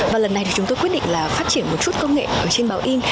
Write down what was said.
và lần này thì chúng tôi quyết định là phát triển một chút công nghệ trên báo in